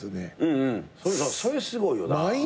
それすごいよな。